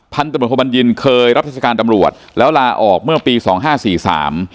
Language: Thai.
ตำรวจโทบัญญินเคยรับราชการตำรวจแล้วลาออกเมื่อปีสองห้าสี่สาม